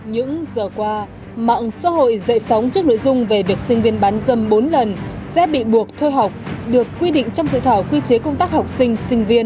những giờ qua mạng xã hội dậy sóng trước nội dung về việc sinh viên bán dâm bốn lần sẽ bị buộc thơ học được quy định trong dự thảo quy chế công tác học sinh sinh viên